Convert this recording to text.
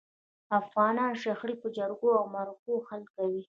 افغانان شخړي په جرګو او مرکو حل کوي.